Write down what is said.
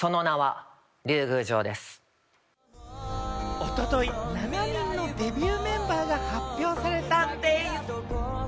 一昨日、７人のデビューメンバーが発表されたんでぃす。